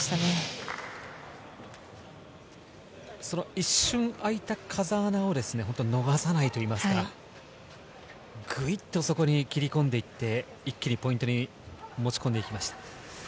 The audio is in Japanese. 一瞬開いた風穴を逃さないといいますか、グイッとそこに切り込んでいって、一気にポイントに持ち込んで行きました。